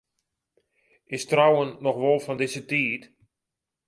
Is trouwen noch wol fan dizze tiid?